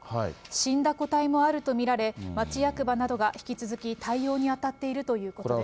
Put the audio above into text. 死んだ個体もあると見られ、町役場などが引き続き、対応に当たっているということです。